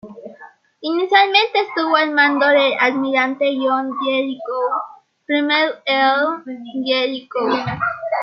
Inicialmente, estuvo al mando del almirante John Jellicoe, primer Earl Jellicoe.